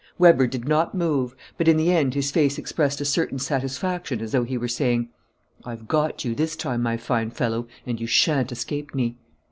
Weber did not move, but in the end his face expressed a certain satisfaction as though he were saying: "I've got you this time, my fine fellow, and you shan't escape me."